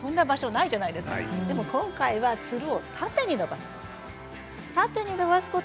でも今回はつるを縦に伸ばすんです。